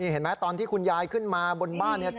เห็นไหมตอนที่คุณยายขึ้นมาบนบ้านเนี่ย